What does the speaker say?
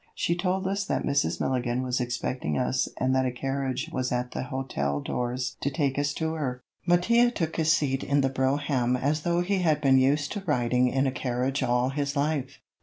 She told us that Mrs. Milligan was expecting us and that a carriage was at the hotel doors to take us to her. Mattia took his seat in the brougham as though he had been used to riding in a carriage all his life.